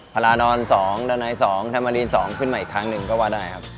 ลานอน๒ดาไน๒แฮมาลีน๒ขึ้นมาอีกครั้งหนึ่งก็ว่าได้ครับ